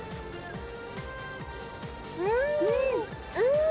うん！